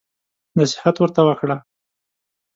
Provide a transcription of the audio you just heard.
نصيحت ورته وکړه.